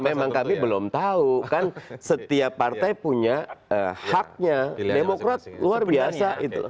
memang kami belum tahu kan setiap partai punya haknya demokrat luar biasa itu